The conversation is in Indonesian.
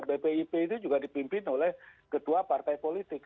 bpip itu juga dipimpin oleh ketua partai politik